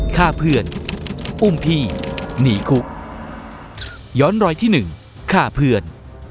ฆ่าเพื่อนอุ้มพี่หนีคุกย้อนรอยที่หนึ่งฆ่าเพื่อน